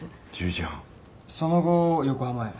その後横浜へ？